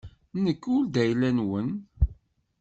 Nekk ur d ayla-nwen.